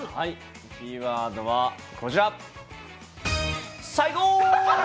キーワードはこちら、＃最高！